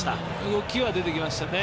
動きは出てきましたね。